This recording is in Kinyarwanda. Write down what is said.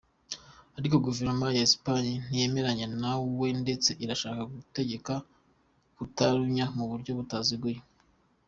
Ariko guverinoma ya Esipanye ntiyemeranya nawe ndetse irashaka gutegeka Katalunya mu buryo butaziguye.